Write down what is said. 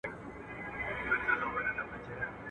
o خراپه ښځه د بل ده.